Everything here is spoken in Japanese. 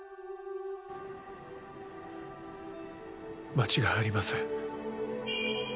間違いありません。